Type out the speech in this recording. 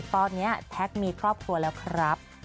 ตอนนี้แท็กมีครอบครัวแล้วครับ